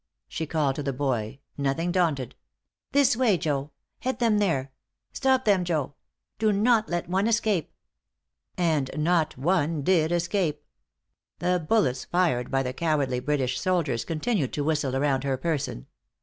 she called to the boy, nothing daunted; "this way, Joe! Head them there! Stop them, Joe! Do not let one escape!" And not one did escape! The bullets fired by the cowardly British soldiers continued to whistle around her person.